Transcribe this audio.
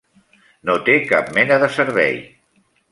No té cap mena de servei.